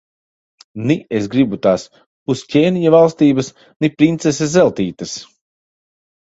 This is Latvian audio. Ni es gribu tās pusķēniņa valstības, ni princeses Zeltītes.